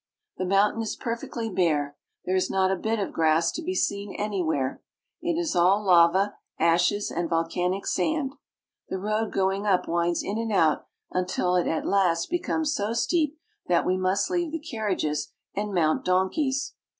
The mountain is perfectly bare. There is not a bit of grass to be seen anywhere. It is all lava, ashes, and vol 422 ITALY. canic sand. The road going up winds in and out until it at last becomes so steep that we must leave the carriages and mount donkeys.